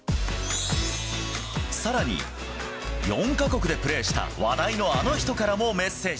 さらに、４か国でプレーした話題のあの人からもメッセージ。